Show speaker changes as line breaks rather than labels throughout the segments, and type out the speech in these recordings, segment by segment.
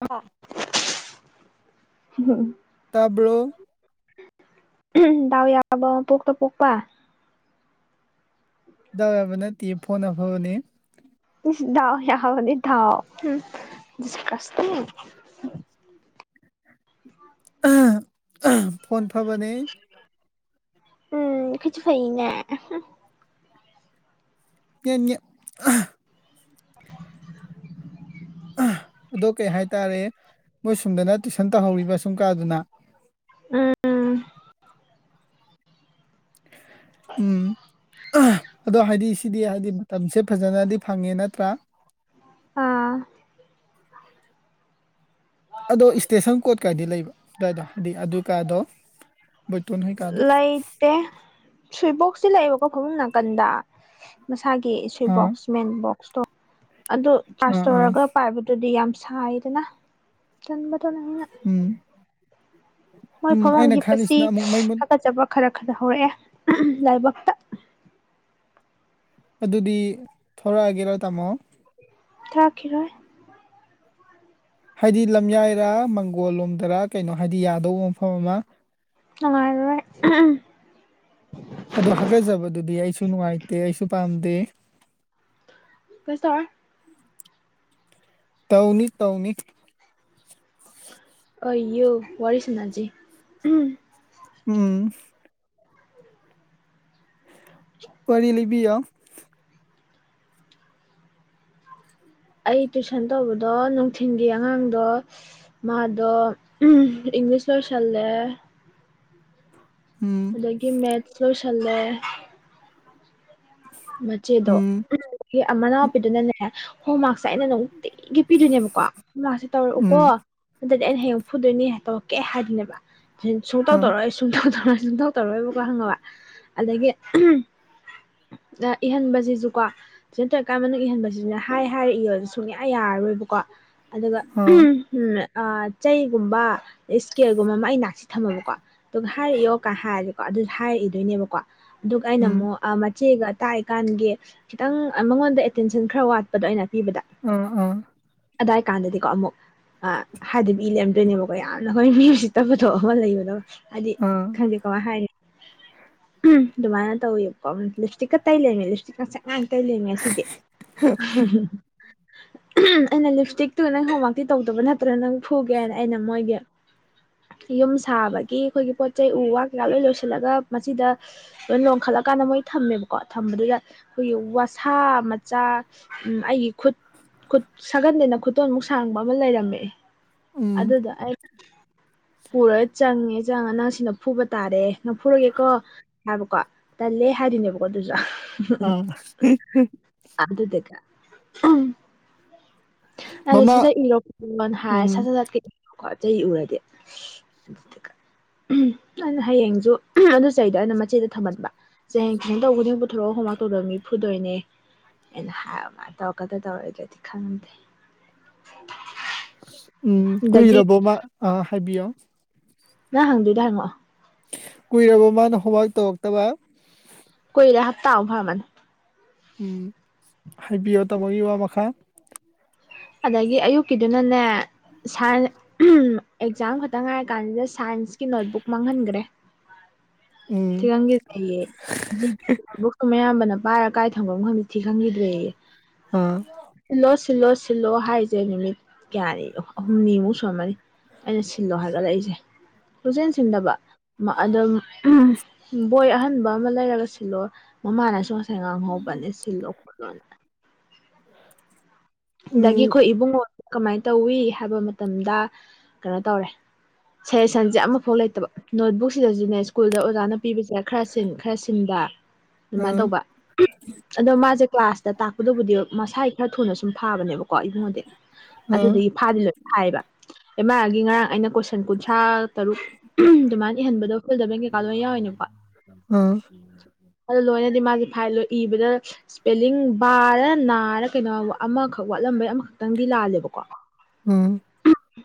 [inaudible]
ꯇꯥꯕ꯭ꯔꯣ
ꯗꯥꯎ ꯌꯥꯕ ꯃꯄꯣꯛꯇ ꯄꯣꯛꯄꯥ꯫
ꯗꯥꯎ ꯌꯥꯕ ꯅꯠꯇꯤꯌꯦ ꯐꯣꯟ ꯑꯐꯕꯅꯦ꯫
ꯏꯁ ꯗꯥꯎ ꯌꯥꯕꯅꯦ ꯗꯥꯎ ꯍꯨꯝ ꯗꯤꯁꯀꯁꯇꯤꯡ꯫
[unintelligible] ꯑꯥ ꯐꯣꯟ ꯐꯕꯅꯦ꯫
ꯎꯝ ꯑꯈꯣꯏꯖꯨ ꯐꯩꯅ
[unintelligible] ꯑꯥ ꯑꯗꯣ ꯀꯩ ꯍꯥꯏꯇꯥꯔꯦ ꯃꯣꯏ ꯁꯨꯝꯗꯅ ꯇꯨꯏꯁꯟ ꯇꯧꯍꯧꯔꯤꯕ ꯁꯨꯝ ꯀꯥꯗꯨꯅ꯫
ꯎꯝ ꯎꯝ
ꯎꯝ ꯑꯗꯣ ꯍꯥꯏꯗꯤ ꯁꯤꯗꯤ ꯍꯥꯏꯗꯤ ꯃꯇꯝꯁꯦ ꯐꯖꯅꯗꯤ ꯐꯪꯉꯦ ꯅꯠꯇ꯭ꯔꯥ?
ꯑꯥ
ꯑꯗꯣ ꯏꯁꯇꯦꯁꯟ ꯀꯣꯠ ꯀꯥꯏꯗꯤ ꯂꯩꯕ꯭ꯔꯣ? ꯀꯥꯏꯗ ꯑꯗꯤ ꯑꯗꯨ ꯀꯥꯗꯣ꯫ ꯕꯣꯏꯇꯣꯟ ꯍꯣꯏ ꯀꯥꯗꯣ
ꯂꯩꯇꯦ ꯁ꯭ꯋꯨꯏ ꯕꯣꯛꯁꯇꯤ ꯂꯩꯌꯦꯕꯀꯣ ꯐꯃꯨꯡ ꯅꯥꯀꯟꯗꯥ꯫ ꯃꯁꯥꯒꯤ
ꯑꯥ
ꯁꯨꯏꯕꯣꯛꯁ ꯃꯦꯟ ꯕꯣꯛꯁꯇꯣ ꯑꯗꯨ ꯆꯥꯔꯖ
ꯑꯥ ꯑꯥ
ꯇꯧꯔꯒ ꯄꯥꯏꯕ ꯑꯗꯨꯗꯤ ꯌꯥꯝ ꯁꯥꯏꯗꯅ ꯇꯟꯕꯗꯣ
ꯎꯝ
ꯃꯣꯏ
ꯎꯝ
ꯐꯃꯨꯡ
ꯑꯩꯅ
ꯍꯤꯞꯄꯁꯤ
ꯈꯜꯂꯤꯁꯤꯅ ꯑꯃꯨꯛ ꯃꯩ ꯃꯨꯠ
ꯍꯥꯀꯠꯆꯕ ꯈꯔ ꯈꯔ ꯍꯧꯔꯛꯑꯦ ꯂꯥꯏꯕꯛꯇ
ꯑꯗꯨꯗꯤ ꯊꯣꯔꯛꯑꯒꯦꯔꯣ ꯇꯥꯃꯣ
ꯊꯥꯈꯤꯔꯣꯢ
ꯍꯥꯏꯗꯤ ꯂꯝꯌꯥꯏꯔ ꯃꯪꯒꯣꯜ ꯂꯣꯝꯗꯔ ꯀꯩꯅꯣ ꯍꯥꯏꯗꯤ ꯌꯥꯗꯧꯕ ꯃꯐꯝ ꯑꯃ
ꯅꯨꯡꯉꯥꯢꯔꯣꯢ
ꯑꯗꯣ ꯍꯥꯀꯠꯆꯕꯗꯨꯗꯤ ꯑꯩꯁꯨ ꯅꯨꯡꯉꯥꯏꯇꯦ ꯑꯩꯁꯨ ꯄꯥꯝꯗꯦ
ꯀꯩꯁꯨ ꯇꯧꯔꯣꯢ
ꯇꯧꯅꯤ ꯇꯧꯅꯤ
ꯑꯌꯨꯛ ꯋꯥꯔꯤ ꯁꯥꯟꯅꯁꯤ ꯎꯝ
ꯎꯝ ꯋꯥꯔꯤ ꯂꯩꯕꯤꯌꯣ
ꯑꯩ ꯇꯨꯏꯁꯟ ꯇꯧꯕꯗꯣ ꯅꯨꯡꯊꯤꯟꯒꯤ ꯑꯉꯥꯡꯗꯣ ꯃꯥꯗꯣ ꯏꯪꯂꯤꯁ ꯂꯣꯏꯁꯜꯂꯦ
ꯎꯝ
ꯑꯗꯨꯗꯒꯤ ꯃꯦꯠꯁ ꯂꯣꯏꯁꯜꯂꯦ ꯃꯆꯦꯗꯣ
ꯎꯝ
ꯃꯅꯥꯎꯄꯤꯗꯨꯅꯅꯦ ꯍꯣꯝꯋꯥꯔꯛꯁꯦ ꯑꯩꯅ ꯅꯨꯡ ꯅꯨꯡꯇꯤꯒꯤ ꯄꯤꯗꯣꯏꯅꯦꯕꯀꯣ ꯍꯣꯝꯋꯥꯛꯁꯦ ꯇꯧꯔꯛꯎꯀꯣ
ꯎꯝ
ꯅꯠꯇ꯭ꯔꯗꯤ ꯑꯩꯅ ꯍꯌꯦꯡ ꯐꯨꯗꯣꯏꯅꯤ ꯇꯧꯔꯛꯀꯦ ꯍꯥꯏꯗꯣꯢꯅꯦꯕ ꯑꯗꯨꯒ ꯁꯨꯡꯇꯧ
ꯑꯥ
ꯇꯧꯔꯛꯑꯣꯢ ꯁꯨꯡꯇꯧ ꯇꯧꯔꯛꯑꯣꯢ ꯁꯨꯡꯇꯧ ꯇꯧꯔꯣꯏꯕꯀꯣ ꯈꯪꯉꯥꯕ ꯑꯗꯒꯤ ꯏꯍꯟꯕꯁꯤꯁꯨꯀꯣ ꯇꯨꯏꯁꯟ ꯇꯧꯏꯀꯥꯟ ꯃꯅꯨꯡ ꯏꯍꯟꯕꯁꯤꯁꯨꯅꯦ ꯍꯥꯏ ꯍꯥꯏꯔ ꯏꯌꯨꯁꯦ ꯁꯨꯡꯌꯥ ꯌꯥꯔꯔꯣꯏꯕꯀꯣ ꯑꯗꯨꯒ
ꯑꯥ
ꯎꯝ ꯑꯥ ꯆꯩꯒꯨꯝꯕ ꯁ꯭ꯀꯦꯜꯒꯨꯝꯕ ꯑꯃ ꯑꯩ ꯅꯥꯛꯁꯤꯗ ꯊꯝꯃꯕꯀꯣ ꯑꯗꯨꯒ ꯍꯥꯏꯔ ꯏꯑꯣ ꯀꯥꯏ ꯍꯥꯏꯔꯗꯤꯀꯣ ꯑꯗꯨ ꯍꯥꯏꯔ ꯏꯗꯣꯏꯅꯦꯕꯀꯣ ꯑꯗꯨꯒ ꯑꯩꯅ
ꯎꯝ
ꯑꯃꯨꯛ ꯃꯆꯦꯒ ꯇꯥꯛꯏꯀꯥꯟꯒꯤ ꯈꯤꯇꯪ ꯃꯉꯣꯟꯗ ꯑꯦꯇꯦꯟꯁꯟ ꯈꯔ ꯋꯥꯠꯄꯗꯣ ꯑꯩꯅ ꯄꯤꯕꯗ
ꯑꯪ ꯑꯪ
ꯑꯗꯥꯏ ꯀꯥꯟꯗꯗꯤꯀꯣ ꯑꯃꯨꯛ ꯑꯥ ꯍꯥꯏꯗꯕꯤ ꯏ ꯂꯩꯔꯝꯗꯣꯏꯅꯦꯕ ꯑꯣ ꯌꯥꯝꯅ ꯍꯣꯏ ꯃꯤ ꯎꯁꯤꯠꯇꯕꯗꯣ ꯑꯃ ꯂꯩꯕꯗꯣ ꯍꯥꯏꯗꯤ
ꯑꯥ
ꯈꯪꯗꯦ ꯀꯃꯥꯢ ꯍꯥꯏꯅꯤ ꯎꯍꯝ ꯑꯗꯨꯃꯥꯏꯅ ꯇꯧꯋꯦꯕꯀꯣ ꯂꯤꯞꯁ꯭ꯇꯤꯛꯀ ꯇꯩ ꯂꯩꯔꯝꯃꯦ ꯉꯥꯡꯁꯡ ꯉꯥꯡꯅ ꯇꯩ ꯂꯩꯔꯝꯃꯦ ꯉꯁꯤꯗꯤ
[inaudible]
ꯑꯩꯅ ꯂꯤꯞꯁ꯭ꯇꯤꯛꯇꯨ ꯅꯪ ꯍꯣꯝꯋꯥꯛꯇꯤ ꯇꯧꯗꯕ ꯅꯠꯇ꯭ꯔꯅ ꯅꯪ ꯐꯨꯒꯦ ꯍꯥꯏꯅ ꯑꯩꯅ ꯃꯣꯏꯒꯤ ꯌꯨꯝ ꯁꯥꯕꯒꯤ ꯑꯩꯈꯣꯏꯒꯤ ꯄꯣꯠ ꯆꯩ ꯎ ꯋꯥ ꯀꯩꯀꯥ ꯂꯣꯏ ꯂꯣꯏꯁꯤꯜꯂꯒ ꯃꯆꯤꯗ ꯂꯣꯢ ꯂꯣꯟꯈꯠꯂꯀꯥꯟꯗ ꯃꯣꯢ ꯊꯝꯃꯦꯕꯀꯣ ꯊꯝꯕꯗꯨꯗ ꯑꯩꯈꯣꯏꯒꯤ ꯋꯥꯁꯥ ꯃꯆꯥ ꯑꯩꯒꯤ ꯈꯨꯠ ꯈꯨꯠ ꯁꯥꯒꯟꯗꯩꯅ ꯈꯨꯇꯣꯟꯃꯨꯛ ꯁꯥꯡꯕ ꯑꯃ ꯂꯩꯔꯝꯃꯦ
ꯎꯝ
ꯑꯗꯨꯗꯣ ꯑꯩ ꯄꯨꯔꯒ ꯆꯪꯉꯦ ꯆꯪꯉ ꯅꯪ ꯁꯤꯅ ꯐꯨꯕ ꯇꯥꯔꯦ ꯅꯪ ꯐꯨꯔꯒꯦꯀꯣ ꯍꯥꯏꯕꯀꯣ ꯇꯜꯂꯦ ꯍꯥꯢꯗꯣꯢꯅꯦꯕꯀꯣ ꯗꯨꯁꯨ
ꯑꯥ
ꯑꯗꯨꯗꯒ ꯑꯗꯨ ꯁꯠ
ꯃꯃꯥ
ꯁꯠ ꯏꯔꯣ ꯍꯥꯢꯔ ꯁꯠ
ꯎꯝ
ꯁꯠ ꯏꯌꯦꯕꯀꯣ ꯆꯩ ꯎꯔꯗꯤ ꯑꯗꯨꯗꯨꯒ
[inaudible]
ꯑꯩꯅ ꯍꯌꯦꯡꯁꯨ ꯑꯗꯨ ꯆꯩꯗꯣ ꯑꯩꯅ ꯃꯆꯦꯗ ꯊꯝꯃꯟꯕ [unintelligible] ꯄꯨꯊꯣꯔꯛꯑꯣ ꯍꯣꯝꯋꯥꯛ ꯇꯧꯗꯕ ꯃꯤ ꯐꯨꯗꯣꯏꯅꯦ ꯑꯩꯅ ꯍꯥꯏꯕ ꯃꯥ ꯇꯧꯔꯛꯀꯗ꯭ꯔꯥ ꯇꯧꯔꯛꯑꯣꯢꯗ꯭ꯔꯗꯤ ꯈꯪꯗꯦ [inaudible]
ꯎꯝ
ꯑꯗꯒꯤ
ꯀꯨꯏꯔꯕꯣꯕ ꯑꯥ ꯍꯥꯏꯕꯤꯌꯣ
ꯅꯪ ꯍꯪꯗꯣꯏꯗꯣ ꯍꯪꯉꯛꯑꯣ
ꯀꯨꯏꯔꯕꯣ ꯃꯥꯅ ꯍꯣꯝꯋꯥꯛ ꯇꯧꯔꯛꯇꯕ
ꯀꯨꯢꯔꯦ ꯍꯞꯇꯥ ꯃꯨꯛ ꯐꯥꯔꯝꯃꯅꯤ
ꯎꯝ ꯍꯥꯏꯕꯤꯌꯣ ꯇꯥꯃꯣꯒꯤ ꯋꯥ ꯃꯈꯥ
ꯑꯗꯒꯤ ꯑꯌꯨꯛꯀꯤꯗꯨꯅꯅꯦ ꯁꯥꯏ ꯎꯍꯨꯝ ꯑꯦꯛꯖꯥꯝ ꯈꯥꯇꯪ ꯉꯥꯏꯔ ꯀꯥꯟꯁꯤꯗ ꯁꯥꯏꯟꯁꯀꯤ ꯅꯣꯠꯕꯨꯛ ꯃꯥꯡꯍꯟꯒ꯭ꯔꯦ
ꯎꯝ
ꯊꯤꯈꯪꯒꯤꯗꯦ ꯖꯤ ꯅꯣꯠꯕꯨꯛꯇꯨ ꯃꯌꯥꯝꯕꯅ ꯄꯥꯏꯔ ꯀꯥꯏ ꯊꯝꯒ꯭ꯔꯕꯅꯣ ꯈꯪ ꯊꯤ ꯈꯪꯒꯤꯗ꯭ꯔꯦꯌꯦ
ꯑꯥ
ꯁꯤꯂꯣ ꯁꯤꯂꯣ ꯁꯤ ꯁꯤꯜꯂꯣ ꯍꯥꯏꯔꯤꯁꯦ ꯅꯨꯃꯤꯠ ꯀꯌꯥꯅꯤꯅꯣ ꯍꯨꯝꯅꯤꯃꯨꯛ ꯁꯨꯔꯝꯃꯅꯤ ꯑꯩꯅ ꯁꯤꯜꯂꯣ ꯍꯥꯏꯒꯠꯂꯛꯏꯁꯦ ꯁꯨꯡꯁꯤꯟ ꯁꯤꯟꯗꯕ ꯃꯥ ꯑꯗꯨꯝ ꯎꯝ ꯕꯣꯏ ꯑꯍꯟꯕ ꯑꯃ ꯂꯩꯔꯒ ꯁꯤꯜꯂꯣ ꯃꯃꯥꯅꯁꯨ ꯁꯥꯢ ꯉꯥꯡꯍꯧꯕꯅꯦ ꯁꯤꯜꯂꯣ ꯈꯣꯠꯂꯣꯅꯥ
[inaudible]
ꯑꯗꯒꯤ
ꯎꯝ
ꯑꯈꯣꯏ ꯏꯕꯨꯡꯉꯣ ꯀꯃꯥꯏꯟ ꯇꯧꯏ ꯍꯥꯏꯕ ꯃꯇꯝꯗ ꯀꯩꯅꯣ ꯇꯧꯔꯦ ꯁꯖꯦꯁꯟꯁꯦ ꯑꯃꯐꯥꯎ ꯂꯩꯇꯕ ꯅꯣꯠꯕꯨꯛꯁꯤꯗꯁꯨꯅꯦ ꯁ꯭ꯀꯨꯜꯗ ꯑꯣꯖꯥꯅ ꯄꯤꯕꯁꯦ ꯈꯔ ꯁꯤꯟ ꯈꯔ ꯁꯤꯟꯗ ꯑꯗꯨꯃꯥꯏꯅ
ꯑꯥ
ꯇꯧꯕ ꯑꯗꯣ ꯃꯥꯁꯦ ꯀ꯭ꯂꯥꯁꯇ ꯇꯥꯛꯄꯗꯨꯕꯨꯗꯤ ꯃꯁꯥꯢ ꯈꯔ ꯊꯨꯅ ꯁꯨꯝ ꯐꯥꯕꯅꯦꯕ ꯀꯣ ꯏꯕꯨꯡꯉꯣꯗꯤ
ꯑꯥ
ꯑꯗꯨꯗꯨꯒꯤ ꯐꯥꯗꯤ ꯂꯣꯏ ꯐꯥꯏꯌꯦꯕ ꯑꯦꯃꯥꯢꯑꯦꯜꯒꯤ ꯉꯔꯥꯡ ꯑꯩꯅ ꯀꯣꯏꯁꯟ ꯁꯟ ꯀꯨꯟꯊ꯭ꯔꯥ ꯇꯔꯨꯛ ꯎꯝ ꯑꯗꯨꯃꯥꯏꯟ ꯏꯍꯟꯕꯗꯣ ꯐꯤꯜ ꯏꯟ ꯗ ꯕ꯭ꯂꯦꯡ ꯀꯩꯀꯥ ꯂꯣꯏ ꯌꯥꯎꯏꯅꯤꯀꯣ
ꯑꯥ
ꯑꯗꯨ ꯂꯣꯏꯅꯗꯤ ꯃꯥꯖꯤ ꯐꯥꯏ ꯂꯣꯢ ꯏꯕꯗ ꯁꯄꯦꯜꯂꯤꯡ ꯕꯥꯔ ꯅꯥꯔ ꯀꯩꯅꯣ ꯑꯃꯈꯛ ꯋꯥꯠꯂꯝꯕꯩ ꯑꯃꯈꯛꯇꯪꯗꯤ ꯂꯥꯜꯂꯦꯕꯀꯣ
ꯎꯝ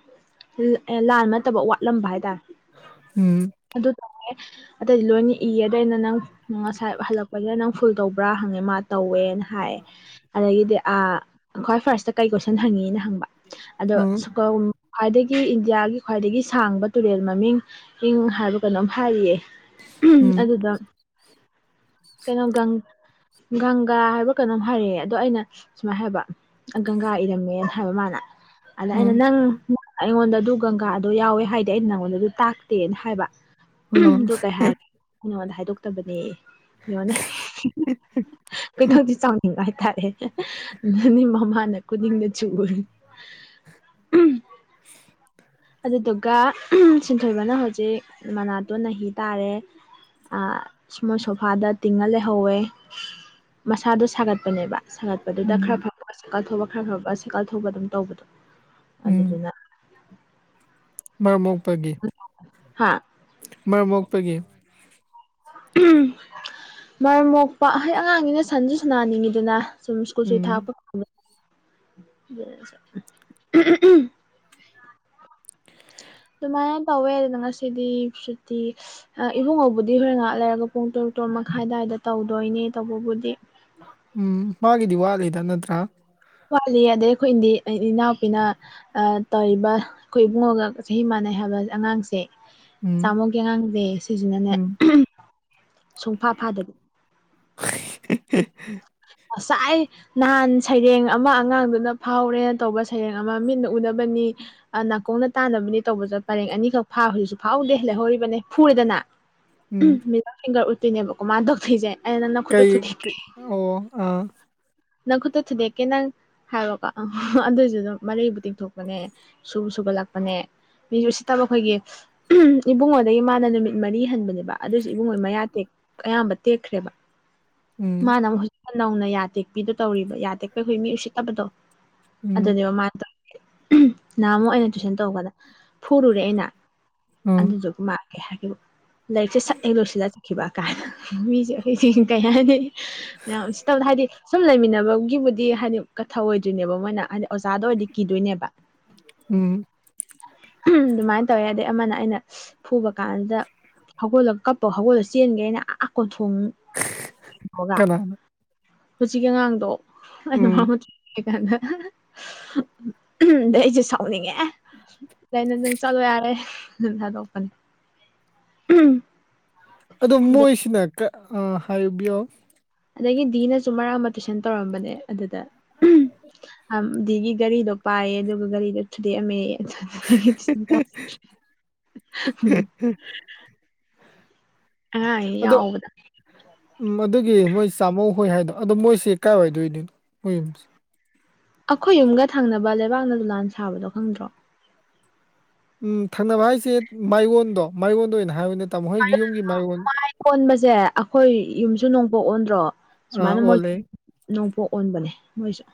[unintelligible] ꯂꯥꯟꯕ ꯅꯠꯇꯕ ꯋꯥꯠꯂꯝꯕ ꯍꯥꯏꯇꯥꯔꯦ
ꯎꯝ
ꯑꯗꯨ ꯇꯧꯔꯦ ꯑꯇꯩꯩꯗꯤ ꯂꯣꯏꯅ ꯏꯌꯦ ꯑꯗꯩꯅ ꯅꯪ ꯉꯁꯥꯏ ꯍꯜꯂꯛꯄꯁꯤꯗ ꯅꯪ ꯐꯨꯜ ꯇꯧꯕ꯭ꯔꯥ ꯍꯪꯉꯦ ꯃꯥ ꯇꯧꯋꯦꯅ ꯍꯥꯏ ꯑꯗꯒꯤꯗꯤ ꯑꯥ ꯈ꯭ꯋꯥꯏ ꯐꯥꯔꯁꯇ ꯀꯩ ꯀꯣꯏꯁꯟ ꯍꯪꯉꯤꯅ ꯍꯪꯕ ꯑꯗꯣ
ꯑꯥ
ꯁ꯭ꯀꯧꯝ ꯈ꯭ꯋꯥꯏꯗꯒꯤ ꯏꯟꯗꯤꯌꯥꯒꯤ ꯈ꯭ꯋꯥꯏꯗꯒꯤ ꯁꯥꯡꯕ ꯇꯨꯔꯦꯜ ꯃꯃꯤꯡ ꯏꯪ ꯍꯥꯏꯕ ꯀꯩꯅꯣꯝ ꯍꯥꯏꯔꯤꯌꯦ ꯎꯝ ꯑꯗꯨꯗ ꯀꯩꯅꯣ ꯒꯪ ꯒꯪꯒꯥ ꯍꯥꯏꯕ꯭ꯔ ꯀꯩꯅꯣꯝ ꯍꯥꯏꯔꯛꯑꯦ ꯑꯗꯣ ꯑꯩꯅ ꯁꯨꯃꯥꯏꯟ ꯍꯥꯏꯕ ꯒꯪꯒꯥ ꯏꯔꯝꯃꯦꯅ ꯍꯥꯏꯕ ꯃꯥꯅ ꯑꯗ
ꯑꯥ
ꯑꯩꯅ ꯅꯪ ꯑꯩꯉꯣꯟꯗ ꯑꯗꯨ ꯒꯪꯒꯥꯗꯨ ꯌꯥꯎꯋꯦ ꯍꯥꯏꯗꯦ ꯑꯩ ꯅꯪꯉꯣꯟꯗ ꯑꯗꯨ ꯇꯥꯛꯇꯦꯅ ꯍꯥꯏꯕ ꯎꯝ
ꯑꯥ
ꯑꯗꯨ ꯀꯩ ꯍꯥꯏ ꯑꯩ ꯅꯉꯣꯟꯗ ꯍꯥꯏꯗꯣꯛꯇꯕꯅꯦꯌꯦ ꯌꯦꯡꯉꯣꯅꯦ ꯎꯝ ꯍꯝ ꯍꯝ ꯈꯣꯢꯗꯧꯁꯤ ꯆꯥꯎꯅꯤꯡꯕ ꯍꯥꯏꯇꯥꯔꯦ ꯍꯦꯍꯦ ꯑꯗꯨꯅꯤ ꯃꯃꯥꯅ ꯈꯨꯅꯤꯡꯅ ꯆꯨꯔꯤ [unintelligible] ꯑꯗꯨꯗꯨꯒ ꯎꯝ ꯁꯤꯟꯊꯣꯏꯕꯅ ꯍꯧꯖꯤꯛ ꯃꯅꯥꯇꯣꯟ ꯅꯥꯍꯤ ꯇꯥꯔꯦ ꯑꯥ ꯃꯣꯏ ꯁꯣꯐꯥꯗ ꯇꯤꯡꯉ ꯂꯩꯍꯧꯋꯦ ꯃꯁꯥꯗꯨ ꯁꯥꯒꯠꯄꯅꯦꯕ ꯁꯥꯒꯠꯄꯗꯨꯗ ꯈꯔ
ꯎꯝ
ꯐꯕꯒ ꯁꯥꯢꯀꯜ ꯊꯧꯕ ꯈꯔ ꯐꯕꯒ ꯁꯥꯢꯀꯜ ꯊꯧꯕ ꯑꯗꯨꯝ ꯇꯧꯕꯗꯨ
ꯎꯝ
ꯑꯗꯨꯗꯨꯅ
ꯃꯔꯝ ꯃꯣꯛꯄꯒꯤ
ꯍꯥꯥ
ꯃꯔꯝ ꯃꯣꯛꯄꯒꯤ
ꯑꯍꯝ ꯃꯔꯝ ꯃꯣꯛꯄ ꯍꯥꯢꯗꯤ ꯑꯉꯥꯡꯅꯤꯅ ꯁꯥꯟꯁꯨ ꯁꯅꯥꯅꯤꯡꯉꯤꯗꯅ ꯁꯨꯝ ꯁ꯭ꯀꯨꯜ ꯁꯨꯇꯤ
ꯎꯝ
ꯊꯥꯔꯛꯄ ꯀꯥꯟꯗꯨ [unintelligible] ꯑꯗꯨꯃꯥꯏꯅ ꯇꯧꯋꯦ ꯑꯗꯨꯅ ꯉꯁꯤꯗꯤ ꯁꯨꯇꯤ ꯑꯥ ꯏꯕꯨꯡꯉꯣꯕꯨꯗꯤ ꯍꯣꯔꯦꯟ ꯉꯍꯥꯛ ꯂꯩꯔꯒ ꯄꯨꯡ ꯇꯔꯨꯛ ꯇꯔꯨꯛ ꯃꯈꯥꯏ ꯑꯗꯨꯋꯥꯏꯗ ꯇꯧꯗꯣꯏꯅꯦ ꯇꯧꯕꯕꯨꯗꯤ
ꯎꯝ ꯃꯥꯒꯤꯗꯤ ꯋꯥꯠꯂꯤꯗ ꯅꯠꯇ꯭ꯔꯥ
ꯋꯥꯠꯂꯤ ꯑꯗꯩ ꯑꯩꯈꯣꯏꯗꯤ ꯏꯅꯥꯎꯄꯤꯅ ꯇꯧꯏꯕ ꯑꯈꯣꯏ ꯏꯕꯨꯡꯉꯣꯒ ꯆꯍꯤ ꯃꯥꯟꯅꯩ ꯍꯥꯏꯕ ꯑꯉꯥꯡꯁꯦ
ꯎꯝ
ꯇꯥꯝꯃꯣꯒꯤ ꯑꯉꯥꯡꯁꯦ ꯁꯤꯁꯤꯅꯅꯦ
ꯎꯝ
ꯁꯨꯡꯐꯥ ꯐꯥꯗꯕꯤ
[unintelligible]
ꯑꯁꯥꯏ ꯅꯍꯥꯟ ꯁꯩꯔꯦꯡ ꯑꯃꯥ ꯑꯉꯥꯡꯗꯨꯅ ꯐꯥꯍꯧꯔꯦꯅ ꯇꯧꯕ ꯁꯩꯔꯦꯡ ꯑꯃꯥ ꯃꯤꯠꯅ ꯎꯅꯕꯅꯤ ꯑꯥ ꯅꯥꯀꯣꯡꯅ ꯇꯥꯅꯕꯅꯦ ꯇꯧꯕꯖ ꯄꯔꯦꯡ ꯑꯅꯤꯈꯛ ꯐꯥ ꯍꯧꯖꯤꯛꯁꯨ ꯐꯥꯍꯧꯗꯦ ꯂꯩꯍꯧꯔꯤꯕꯅꯦ ꯐꯨꯔꯦꯗꯅ
ꯎꯝ
[unintelligible] ꯎꯠꯄꯤꯅꯦꯕꯀꯣ ꯃꯥ ꯇꯧꯊꯣꯏꯖꯦ
ꯀꯩ ꯀꯦ ꯑꯣ ꯑꯥ
ꯅꯈꯨꯠꯇꯨ ꯊꯨꯗꯦꯛꯀꯦ ꯅꯪ ꯍꯥꯏꯕꯀꯣ ꯑꯗꯨꯏꯖꯨ ꯗꯨꯝ ꯃꯔꯩꯕꯨ ꯇꯤꯡꯊꯣꯛꯄꯅꯦ ꯁꯨꯕꯨ ꯁꯨꯒꯠꯂꯛꯄꯅꯦ ꯃꯤ ꯎꯁꯤꯠꯇꯕ ꯈꯣꯏꯒꯤ ꯏꯕꯨꯡꯉꯣꯗꯒꯤ ꯃꯥꯅ ꯅꯨꯃꯤꯠ ꯃꯔꯤ ꯍꯟꯕꯅꯦꯕ ꯑꯗꯨꯏꯖꯨ ꯏꯕꯨꯡꯉꯣ ꯃꯌꯥ ꯇꯦꯛ ꯑꯌꯥꯝꯕ ꯇꯦꯛꯈ꯭ꯔꯦꯕ
ꯎꯝ
ꯃꯥꯅ ꯑꯃꯨꯛ ꯍꯧꯖꯤꯛꯇ ꯅꯧꯅ ꯌꯥ ꯇꯦꯛꯄꯤꯗꯨ ꯇꯧꯔꯤꯕ ꯌꯥ ꯇꯦꯛꯄꯩ ꯈꯣꯏ ꯃꯤ ꯎꯁꯤꯠꯇꯕꯗꯣ
ꯎꯝ
ꯑꯗꯨꯅꯦꯕ ꯃꯥ ꯇꯣꯢꯖꯦ ꯅꯍꯥꯟ ꯃꯨꯛ ꯑꯩꯅ ꯇꯨꯏꯁꯟ ꯇꯧꯕꯗ ꯐꯨꯔꯨꯔꯦ ꯑꯩꯅ
ꯎꯝ
ꯑꯗꯨꯗꯨꯒ ꯃꯥ ꯀꯩ ꯍꯥꯏꯔꯛꯀꯦꯕꯨ ꯂꯥꯏꯛꯁꯦ ꯁꯠꯑꯦ ꯂꯣꯏꯁꯤꯜꯂ ꯆꯠꯈꯤꯕ [unintelligible] ꯀꯩ ꯍꯥꯢꯅꯤ ꯌꯥꯝ ꯎꯁꯤꯠꯇꯕꯗꯣ ꯍꯥꯏꯗꯤ ꯁꯨꯝ ꯂꯩꯃꯤꯟꯅꯕꯒꯤꯕꯨꯗꯤ ꯍꯥꯏꯗꯤ ꯀꯠ ꯊꯑꯣꯏꯗ꯭ꯔꯤꯅꯦꯕ ꯃꯣꯏꯅ ꯍꯥꯗꯤ ꯑꯣꯖꯥꯗ ꯑꯣꯏꯔꯗꯤ ꯀꯤꯗꯣꯏꯅꯦꯕ
ꯎꯝ
ꯗꯨꯃꯥꯏꯟ ꯇꯧꯋꯦ ꯑꯗꯩ ꯑꯃꯥꯅ ꯑꯩꯅ ꯐꯨꯕ ꯀꯥꯟꯖꯤꯗ ꯍꯧꯒꯠꯂ ꯀꯞꯄ ꯍꯧꯒꯠꯂ ꯆꯦꯟꯒ꯭ꯔꯦ ꯑꯩꯅ ꯑꯥ ꯀꯣꯟꯊꯣꯡ
ꯀꯅꯥ
ꯍꯧꯖꯤꯛꯀꯤ ꯑꯉꯥꯡꯗꯣ ꯑꯩꯅ
ꯎꯝ
ꯃꯥꯕꯨꯗꯤ [unintelligible] ꯗꯩ ꯑꯩꯖꯦ ꯁꯥꯎꯅꯤꯡꯉꯦ ꯗꯩ ꯅꯪ ꯆꯠꯂꯣ ꯌꯥꯔꯦ ꯗꯨꯝ ꯊꯥꯗꯣꯛꯄꯅꯦ
ꯑꯗꯣ
ꯑꯗꯩ
ꯃꯣꯏꯁꯤꯅ ꯀꯥ ꯎꯝ ꯍꯥꯏꯕꯤꯌꯣ
ꯑꯗꯒꯤ ꯗꯤꯅꯁꯨ ꯃꯔꯥꯛ ꯑꯃꯥ ꯇꯨꯏꯁꯟ ꯇꯧꯔꯝꯕꯅꯦ ꯑꯗꯨꯗ ꯑꯝ ꯗꯤꯒꯤ ꯒꯥꯔꯤꯗꯣ ꯄꯥꯏꯌꯦ ꯑꯗꯨꯒ ꯒꯥꯔꯤꯗꯣ ꯊꯨꯗꯦꯛ ꯑꯝꯃꯦꯌꯦ [unintelligible] ꯑꯉꯥꯡꯉꯩ
ꯑꯗꯣ
ꯌꯥꯎꯕꯗ
ꯎꯝ ꯃꯗꯨꯒꯤ ꯃꯣꯏ ꯆꯥꯝꯃꯣ ꯍꯣꯏ ꯍꯥꯏꯗꯣ ꯑꯗꯣ ꯃꯣꯏꯁꯤ ꯀꯥꯏꯋꯥꯏꯗ ꯑꯣꯏꯗꯨꯅꯣ ꯃꯣꯏ ꯌꯨꯝꯁꯦ
ꯑꯩꯈꯣꯏ ꯌꯨꯝꯒ ꯊꯪꯅꯕ ꯂꯩꯕꯥꯛꯅ ꯗꯣꯂꯥꯟ ꯁꯥꯕꯗꯣ ꯈꯪꯗ꯭ꯔꯣ
ꯎꯝ ꯊꯪꯅꯕ ꯍꯥꯏꯁꯦ ꯃꯥꯏꯌꯣꯟꯗꯣ ꯃꯥꯏꯌꯣꯟꯗ ꯑꯣꯏꯅ ꯍꯥꯏꯌꯣꯅꯦ ꯇꯝꯃꯣ ꯍꯣꯏꯒꯤ ꯌꯨꯝꯒꯤ ꯃꯥꯏꯔꯣꯟ
ꯀꯣꯟꯕꯁꯦ ꯑꯩꯈꯣꯏ ꯌꯨꯝꯁꯨ ꯅꯣꯡꯄꯣꯛ ꯑꯣꯟꯗ꯭ꯔꯣ
ꯑꯥ
ꯁꯨꯃꯥꯏꯅ ꯃꯣꯏ
ꯑꯣꯜꯂꯦ
ꯅꯣꯡꯄꯣꯛ ꯑꯣꯟꯕꯅꯦ ꯃꯣꯏꯖꯨ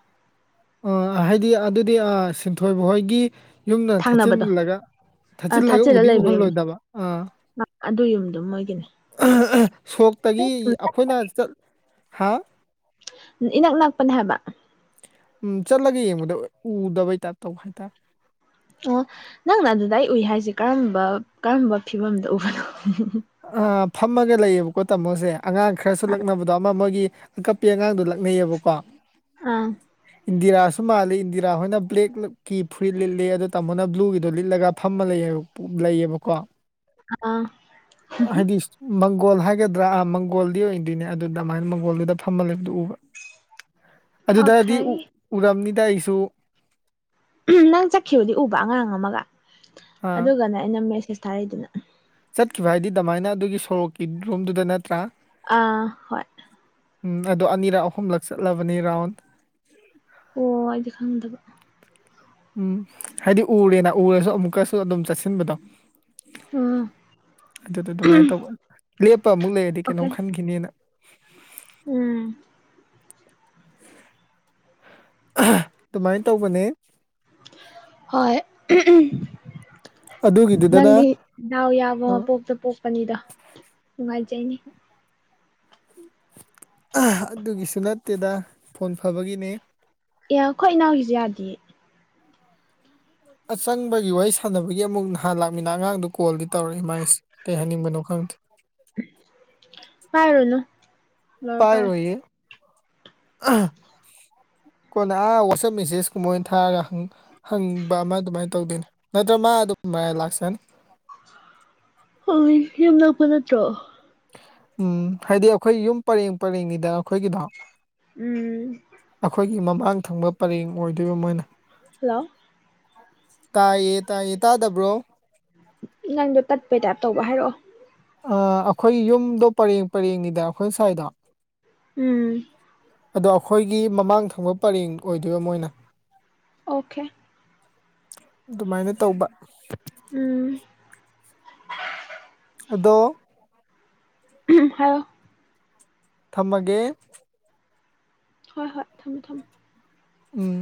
ꯑꯣ ꯍꯥꯏꯗꯤ ꯑꯗꯨꯗꯤ ꯑꯥ ꯁꯤꯟꯊꯣꯏꯕ ꯍꯣꯏꯒꯤ ꯌꯨꯝꯅ
ꯊꯪꯅꯕꯗꯣ
ꯊꯠꯆꯤꯜꯂꯒ ꯊꯠꯆꯤꯜꯂꯒ
ꯊꯥꯆꯤꯜꯂ
ꯎꯗꯤ
ꯂꯩꯕ ꯌꯨꯝꯅꯤ
ꯎꯍꯜꯂꯣꯏꯗꯕ ꯑꯥ
ꯑꯗꯨ ꯌꯨꯝꯗꯣ ꯃꯣꯏꯒꯤꯅꯦ
[unintelligible] ꯁꯣꯛꯇꯒꯤ ꯑꯈꯣꯏꯅ ꯆꯠ ꯍꯥ
ꯏꯅꯛ ꯅꯛꯄꯅꯦ ꯍꯥꯏꯕ
ꯎꯝ ꯆꯠꯂꯒ ꯌꯦꯡꯕꯗ ꯎꯗꯕꯩ ꯇꯥꯏꯞ ꯇꯧꯕ ꯍꯥꯏꯇꯥꯔꯦ
ꯑꯣ ꯅꯪꯅ ꯑꯗꯨꯗꯩ ꯎꯨꯏ ꯍꯥꯏꯖꯦ ꯀꯔꯝꯕ ꯀꯔꯝꯕ ꯐꯤꯕꯝꯗ ꯎꯕꯅꯣ
ꯑꯥ ꯐꯝꯃꯒ ꯂꯩꯌꯦꯕꯀꯣ ꯇꯝꯃꯣꯖꯦ ꯑꯉꯥꯡ ꯈꯔꯁꯨ ꯂꯛꯅꯕꯗꯣ ꯑꯃꯥ ꯃꯣꯏꯒꯤ ꯑꯀꯞꯄꯤ ꯑꯉꯥꯡꯗꯣ ꯂꯛꯅꯩꯑꯕꯀꯣ
ꯑꯥ
ꯏꯟꯗꯤꯔꯥꯁꯨ ꯃꯥꯜꯂꯤ ꯏꯟꯗꯤꯔꯥ ꯍꯣꯏꯅ ꯕ꯭ꯂꯦꯛꯅ ꯀꯤ ꯐꯨꯔꯤꯠ ꯂꯤꯠꯂꯤ ꯑꯗꯨ ꯇꯥꯃꯣꯅ ꯕ꯭ꯂꯨꯒꯤꯗꯣ ꯂꯤꯠꯂꯒ ꯐꯝꯃ ꯂꯩ ꯄꯨ ꯂꯩꯌꯦꯕꯀꯣ
ꯑꯥ
ꯑ ꯍꯥꯏꯗꯤ ꯁ ꯃꯪꯒꯣꯜ ꯍꯥꯏꯒꯗ꯭ꯔꯥ ꯑꯥ ꯃꯪꯒꯣꯜꯗꯤ ꯑꯣꯏꯗꯣꯏꯅꯦ ꯑꯗꯨꯗ ꯃꯥꯏꯟ ꯃꯪꯒꯣꯜꯗꯨꯗ ꯐꯝꯃ ꯂꯩꯕꯗꯨ ꯎꯕ ꯑꯗꯨꯗꯗꯤ ꯎ
ꯑꯣꯀꯦ
ꯎꯔꯝꯅꯤꯗ ꯑꯩꯁꯨ
ꯅꯪ ꯆꯠꯈꯤꯕꯗꯤ ꯎꯕ ꯑꯉꯥꯡ ꯑꯃꯥꯒ
ꯑꯥ
ꯑꯗꯨꯒꯅꯦ ꯑꯩꯅ ꯃꯦꯁꯦꯁ ꯊꯥꯔꯛꯏꯗꯨꯅ
ꯆꯠꯈꯤꯕ ꯍꯥꯏꯗꯤ ꯗꯃꯥꯏꯅ ꯑꯗꯨꯒꯤ ꯁꯣꯔꯣꯛꯀꯤ ꯔꯣꯝꯗꯨꯗ ꯅꯠꯇ꯭ꯔꯥ
ꯑꯥ ꯍꯣꯏ
ꯎꯝ ꯑꯗꯣ ꯑꯅꯤꯔꯛ ꯑꯍꯨꯝꯂꯛ ꯆꯠꯂꯕꯅꯦ ꯔꯥꯎꯟ
ꯑꯣ ꯑꯩꯗꯤ ꯈꯪꯗꯕ
ꯎꯝ ꯍꯥꯏꯗꯤ ꯎꯔꯦꯅ ꯎꯔꯁꯨ ꯑꯃꯨꯛꯀꯁꯨ ꯑꯗꯨꯝ ꯆꯠꯁꯤꯟꯕꯗꯣ
ꯎꯝ
ꯑꯗꯨꯗ ꯑꯗꯨꯃꯥꯏ ꯇꯧꯕ ꯂꯦꯞꯄ ꯑꯃꯨꯛ ꯂꯩꯔꯗꯤ ꯀꯩꯅꯣꯝ
ꯑꯣꯀꯦ
ꯈꯟꯈꯤꯅꯤꯅ
ꯎꯝ
ꯗꯨꯃꯥꯏ ꯇꯧꯕꯅꯦ
ꯍꯣꯏ
ꯑꯗꯨꯒꯤꯗꯨꯗꯅ
ꯅꯪꯗꯤ ꯗꯥꯎ ꯌꯥꯕ ꯃꯄꯣꯛꯇ ꯄꯣꯛꯄꯅꯤꯗꯣ ꯅꯨꯡꯉꯥꯏꯖꯩꯅꯤ
ꯑꯗꯨꯒꯤꯁꯨ ꯅꯠꯇꯦꯗ ꯐꯣꯟ ꯐꯕꯒꯤꯅꯦ
ꯑꯦ ꯈꯣꯏ ꯏꯅꯥꯎꯒꯤꯖꯨ ꯌꯥꯗꯤꯌꯦ
ꯑꯆꯪꯕꯒꯤ ꯋꯥꯔꯤ ꯁꯥꯟꯅꯕꯒꯤ ꯑꯃꯨꯛ ꯅꯍꯥꯟ ꯂꯥꯛꯃꯤꯅ ꯑꯉꯥꯡꯗꯣ ꯀꯣꯜꯗꯤ ꯇꯧꯔꯛꯑꯦ ꯃꯥꯏꯁꯦ ꯀꯩ ꯍꯥꯏꯅꯤꯡꯕꯅꯣ ꯈꯪꯗꯦ
ꯄꯥꯏꯔꯨꯅꯨ ꯂꯣꯏꯔ ꯄꯥꯏꯔꯣ
ꯄꯥꯏꯔꯣꯏꯌꯦ ꯀꯣꯟꯅ ꯑꯥ ꯋꯥꯆꯞ ꯃꯦꯁꯦꯖ ꯀꯨꯝꯕ ꯑꯣꯏꯅ ꯊꯥꯔꯒ ꯍꯪ ꯍꯪꯕ ꯑꯃ ꯑꯗꯨꯃꯥꯏꯅ ꯇꯧꯗꯣꯏꯅꯦ ꯅꯠꯇ꯭ꯔ ꯃꯥ ꯑꯗꯨꯝ ꯃꯔꯥꯢ ꯂꯥꯛꯆꯅꯤ
ꯍꯣꯢ ꯌꯨꯝ ꯅꯛꯄ ꯅꯠꯇ꯭ꯔꯣ
ꯎꯝ ꯍꯥꯏꯗꯤ ꯑꯩꯈꯣꯏ ꯌꯨꯝ ꯄꯔꯦꯡ ꯄꯔꯦꯡꯅꯤꯗ ꯑꯈꯣꯏꯒꯤꯗꯣ
ꯎꯝ
ꯑꯈꯣꯏꯒꯤ ꯃꯃꯥꯡ ꯊꯪꯕ ꯄꯔꯦꯡ ꯑꯣꯏꯗꯣꯏꯕ ꯃꯣꯏꯅ
ꯍꯜꯂꯣ
ꯇꯥꯏꯌꯦ ꯇꯥꯏꯌꯦ ꯇꯥꯗꯕ꯭ꯔꯣ
ꯅꯪꯗꯣ ꯇꯠꯄꯩ ꯇꯥꯏꯞ ꯇꯧꯕ ꯍꯥꯏꯔꯛꯑꯣ
ꯑ ꯑꯈꯣꯏ ꯌꯨꯝꯗꯣ ꯄꯔꯦꯡ ꯄꯔꯦꯡꯅꯤꯗ ꯑꯩꯈꯣꯏ ꯁꯥꯏꯗꯣ
ꯎꯝ
ꯑꯗꯣ ꯑꯈꯣꯏꯒꯤ ꯃꯃꯥꯡ ꯊꯪꯕ ꯄꯔꯦꯡ ꯑꯣꯏꯗꯣꯏꯕ ꯃꯣꯏꯅ
ꯑꯣꯈꯦ
ꯗꯨꯃꯥꯏꯅ ꯇꯧꯕ
ꯎꯝ
ꯑꯗꯣ
ꯍꯥꯢꯌꯣ
ꯊꯝꯃꯒꯦ꯫
ꯍꯣꯏ ꯍꯣꯏ ꯊꯝꯃꯣ ꯊꯝꯃꯣ꯫
ꯎꯝ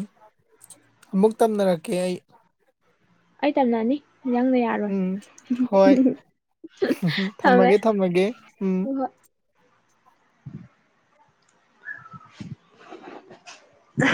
ꯑꯃꯨꯛ ꯇꯝꯅꯔꯛꯀꯦ ꯑꯩ꯫
ꯑꯩ ꯇꯝꯅꯅꯤ ꯅꯪꯅ ꯌꯥ ꯔꯣꯢ
ꯎꯝ ꯍꯣꯏ
ꯊꯝꯃꯦ
ꯊꯝꯃꯒꯦ ꯊꯝꯃꯒꯦ ꯎꯝ
[inaudible]